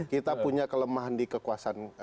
kita punya kelemahan di kekuasaan